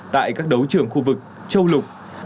tại các đấu trưởng khu vực châu lục